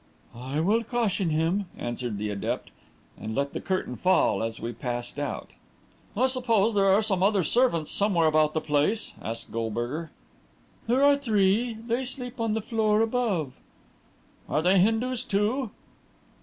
"I will caution him," answered the adept, and let the curtain fall, as we passed out. "I suppose there are some other servants somewhere about the place?" asked Goldberger. "There are three they sleep on the floor above." "Are they Hindus, too?"